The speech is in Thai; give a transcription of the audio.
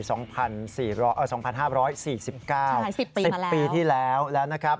ใช่๑๐ปีมาแล้ว๑๐ปีที่แล้วแล้วนะครับ